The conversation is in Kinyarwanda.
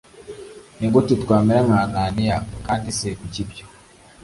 Ni gute twamera nka ananiya kandi se kuki ibyo